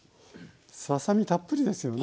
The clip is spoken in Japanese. ささ身たっぷりですよね。